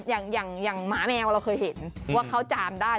อย่างหมาแมวเราเคยเห็นว่าเขาจามได้